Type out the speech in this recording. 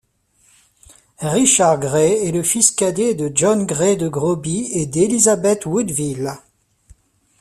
Richard Grey est le fils cadet de John Grey de Groby et d'Élisabeth Woodville.